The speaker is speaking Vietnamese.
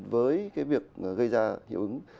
với việc gây ra hiệu ứng